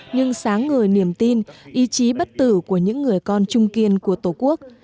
nhưng sáng ngời niềm tin ý chí bất tử của những người con trung kiên của tổ quốc